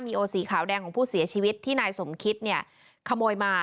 มีโอสีขาวแดงของผู้เสียชีวิตที่นายสมคิตเนี่ยขโมยมา